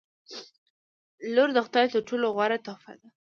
• لور د خدای تر ټولو غوره تحفه ده.